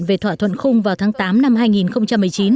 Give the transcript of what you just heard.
về thỏa thuận khung vào tháng tám năm hai nghìn một mươi chín